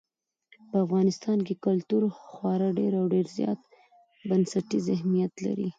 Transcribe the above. په افغانستان کې کلتور خورا ډېر او ډېر زیات بنسټیز اهمیت لري.